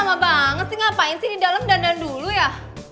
lama banget sih ngapain sih di dalam dandan dulu ya